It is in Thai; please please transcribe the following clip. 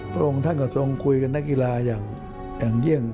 พระองค์ท่านก็ทรงคุยกับนักกีฬาอย่างเยี่ยม